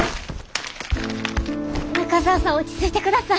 中澤さん落ち着いてください。